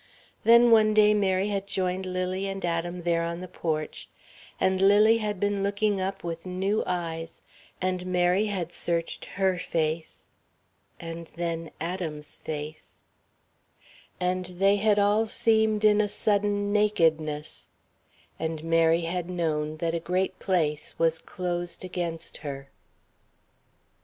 Then one day Mary had joined Lily and Adam there on the porch, and Lily had been looking up with new eyes, and Mary had searched her face, and then Adam's face; and they had all seemed in a sudden nakedness; and Mary had known that a great place was closed against her.